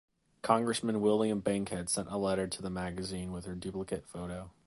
Congressman William Bankhead sent in a letter to the magazine with her duplicate photo.